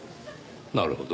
なるほど。